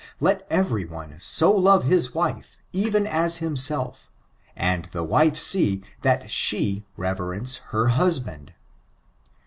Let every one so love Aw v?ife, even as himself, and t/te wife see that she reverence her husband."